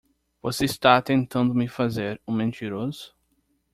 Você está tentando me fazer um mentiroso?